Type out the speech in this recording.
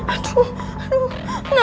aduh aduh aduh